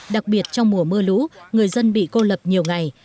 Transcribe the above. đặc biệt trong mùa mưa lũ người dân bị cô lập nhiều ngày